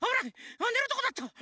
あねるとこだった。